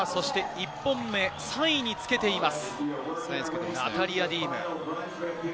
１本目３位につけています。